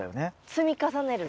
積み重ねる。